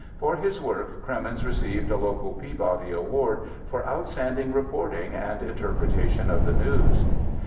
For his work Cremeens received a local Peabody Award for "Outstanding Reporting and Interpretation of the News."